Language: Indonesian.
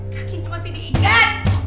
kakinya masih diikat